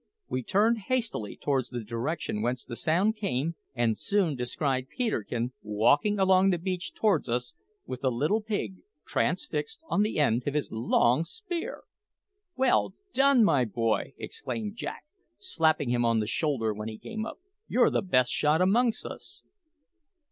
We turned hastily towards the direction whence the sound came, and soon descried Peterkin walking along the beach towards us with a little pig transfixed on the end of his long spear! "Well done, my boy!" exclaimed Jack, slapping him on the shoulder when he came up. "You're the best shot amongst us."